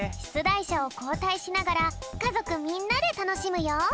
いしゃをこうたいしながらかぞくみんなでたのしむよ。